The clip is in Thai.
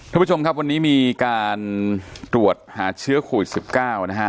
ทุกผู้ชมครับวันนี้มีการตรวจหาเชื้อโควิด๑๙นะฮะ